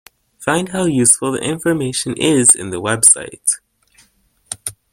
Find how useful the information is in the website.